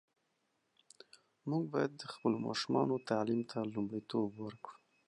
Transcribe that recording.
موږ باید د خپلو ماشومانو تعلیم ته لومړیتوب ورکړو.